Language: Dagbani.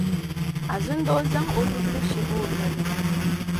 Azindoo zaŋ o nubila shihi o noli.